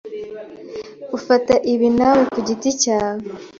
Ufata ibi nawe kugiti cyawe.